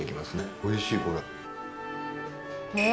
おいしいこれ。